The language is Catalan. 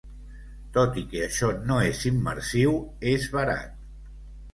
Tot i que això no és immersiu, és barat.